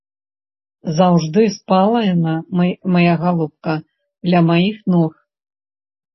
Заўжды спала яна, мая галубка, ля маіх ног.